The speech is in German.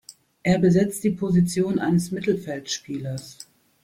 Er besetzt die Position eines Mittelfeldspielers.